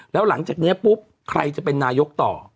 แล้วหลังจากนี้ปุ๊บใครจะเป็นนายกต่อ